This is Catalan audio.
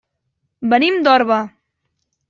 Venim d'Orba.